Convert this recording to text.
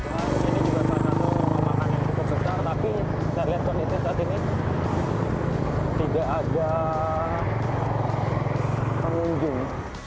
ini juga terlalu banyak rumah makan yang cukup besar tapi saya lihat kondisinya saat ini tidak ada pengunjung